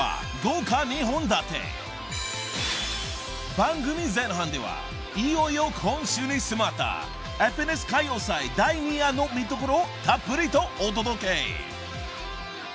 ［番組前半ではいよいよ今週に迫った『ＦＮＳ歌謡祭』第２夜の見どころをたっぷりとお届け］